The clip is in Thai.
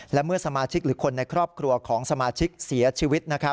และเมื่อสมาชิกหรือคนในครอบครัวของสมาชิกเสียชีวิต